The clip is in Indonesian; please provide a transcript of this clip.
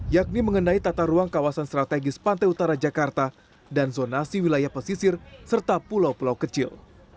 yakni mengenai tata ruang kawasan strategis pantai utara jakarta dan zonasi wilayah pesisir serta pulau pulau kecil